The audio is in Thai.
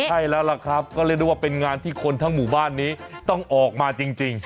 ใช่แล้วล่ะครับก็เรียกได้ว่าเป็นงานที่คนทั้งหมู่บ้านนี้ต้องออกมาจริง